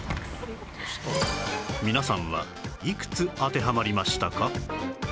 皆さんはいくつ当てはまりましたか？